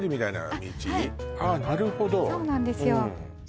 あっはいああなるほどそうなんですよ